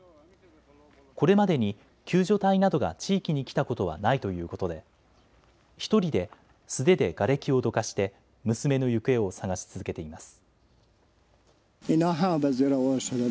これまでに救助隊などが地域に来たことはないということで１人で素手でがれきをどかして娘の行方を捜し続けています。